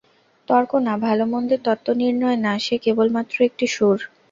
তর্ক না, ভালোমন্দের তত্ত্বনির্ণয় না, সে কেবলমাত্র একটি সুর!